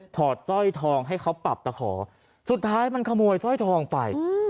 อดสร้อยทองให้เขาปรับตะขอสุดท้ายมันขโมยสร้อยทองไป